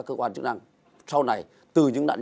chúng tôi sẽ yêu nhau